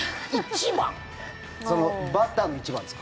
バッターの１番ですか？